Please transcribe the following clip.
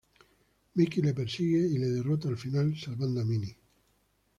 Mickey le persigue y le derrota al final, salvando a Minnie.